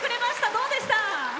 どうでした？